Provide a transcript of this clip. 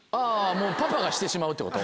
もうパパがしてしまうってこと？